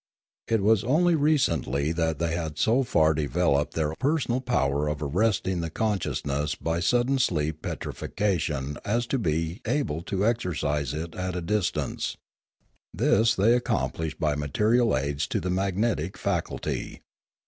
It was only recently that they had so far developed their personal power of arresting the consciousness by sudden sleep petrifaction as to be able to exercise it at a distance. This they accom plished by material aids to the magnetic faculty.